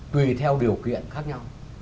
tùy theo điều kiện khác nhau